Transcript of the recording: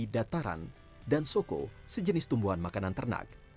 dataran dan soko sejenis tumbuhan makanan ternak